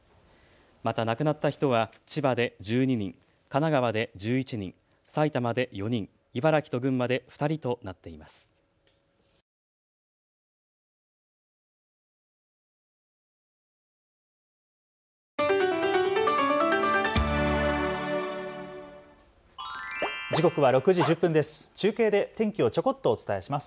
また亡くなった人は千葉で１２人、神奈川で１１人、埼玉で４人、茨城と群馬で２人となっています。